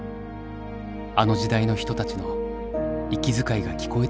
あの時代の人たちの息遣いが聞こえてくるようだ